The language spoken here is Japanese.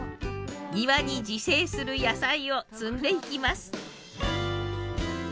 庭に自生する野菜を摘んでいきます。